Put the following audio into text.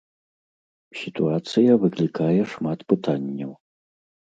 Сітуацыя выклікае шмат пытанняў.